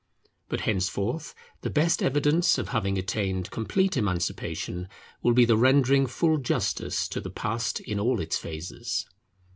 But henceforth the best evidence of having attained complete emancipation will be the rendering full justice to the past in all its phases.